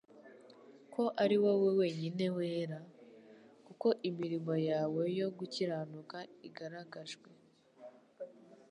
ko ari wowe wenyine wera ?... Kuko imirimo yawe yo gukiranuka igaragajwe.»